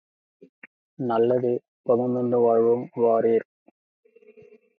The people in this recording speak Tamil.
நல்லது, பகுத்துண்டு வாழ்வோம் வாரீர்.